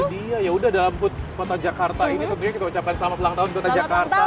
dia yaudah dalam food kota jakarta ini tentunya kita ucapkan selamat ulang tahun kota jakarta